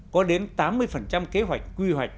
có đến tám mươi kế hoạch quy hoạch